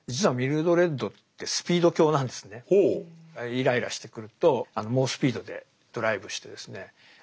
イライラしてくると猛スピードでドライブしてですね